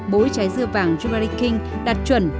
bối trái dưa vàng yubari king đạt chuẩn